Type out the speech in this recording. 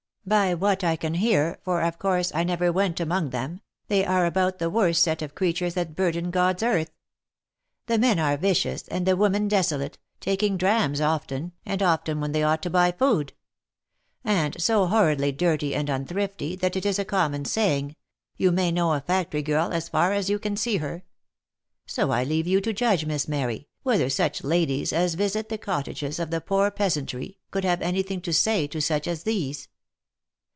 By what I can hear, for of course I never went among them, they are about the worst set of creatures that burden God's earth. The men are vicious, and the women desolate, taking drams often, and often when they ought to buy food ; and so horridly dirty and unthrifty that it is a common saying, you may know a factory girl as far as you can see her. So I leave you to judge, Miss Mary, whether such ladies as visit the cottages of the poor peasantry, could have any thing to say to such as these."